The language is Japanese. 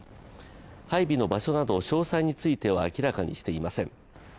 配備の場所など詳細については明らかにしていません。